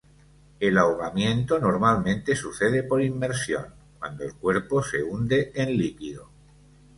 El ahogamiento normalmente sucede por inmersión, cuando el cuerpo se hunde en líquido.